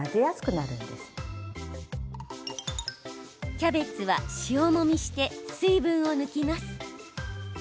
キャベツは塩もみして水分を抜きます。